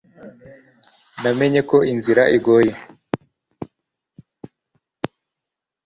namenye ko inzira igoye